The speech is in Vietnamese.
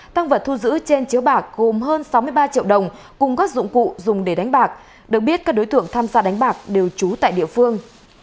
tăng vật thu giữ trên chiếu bạc gồm hơn sáu mươi ba triệu đồng cùng các dụng cụ dùng để đánh bạc được biết các đối tượng tham gia đánh bạc đều trú tại địa phương